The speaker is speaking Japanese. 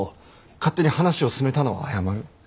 勝手に話を進めたのは謝る。